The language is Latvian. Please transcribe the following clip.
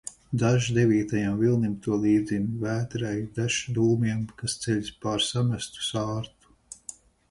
Dažs devītajam vilnim to līdzina, vētrai, dažs dūmiem, kas ceļas pār samestu sārtu.